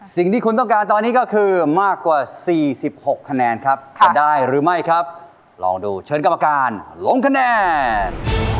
สิ่งที่คุณต้องการตอนนี้ก็คือมากกว่า๔๖คะแนนครับจะได้หรือไม่ครับลองดูเชิญกรรมการลงคะแนน